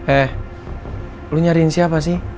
eh lo nyariin siapa sih